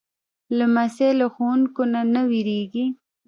لمسی له ښوونکو نه نه وېرېږي.